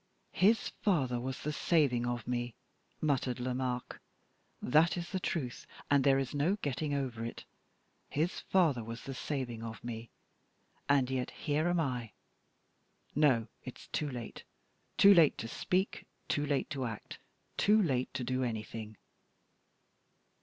"His father was the saving of me," muttered Lomaque; "that is truth, and there is no getting over it; his father was the saving of me; and yet here am I no! it's too late! too late to speak too late to act too late to do anything!"